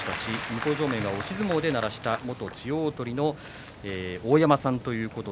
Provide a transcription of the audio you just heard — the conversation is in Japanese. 向正面、押し相撲で鳴らしました元千代鳳の大山さんです。